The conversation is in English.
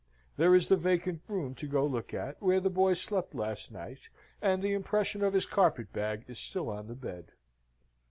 There is the vacant room to go look at, where the boy slept last night, and the impression of his carpet bag is still on the bed.